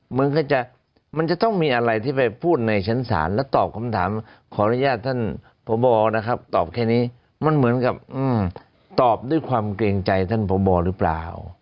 มันก็จะมันจะต้องมีอะไรที่ไปพูดในชั้นศาลและตอบคำถามขออนุญาตท่านพบนะครับตอบแค่นี้มันเหมือนกับตอบด้วยความเกรงใจท่านพบหรือเปล่า